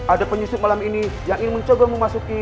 ada penyusup malam ini yang ingin mencoba memasuki